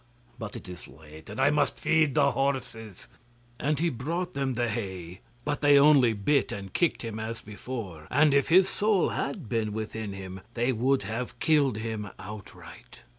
But it is late, and I must feed the horses;' and he brought them the hay, but they only bit and kicked him as before, and if his soul had been within him, they would have killed him outright.